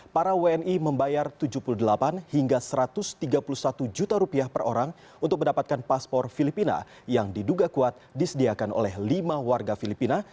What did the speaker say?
para wni membayar tujuh puluh delapan hingga satu ratus tiga puluh satu juta rupiah per orang untuk mendapatkan paspor filipina yang diduga kuat disediakan oleh lima warga filipina